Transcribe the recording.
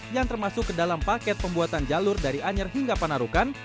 yang termasuk ke dalam paket pembuatan jalur dari anyer hingga panarukan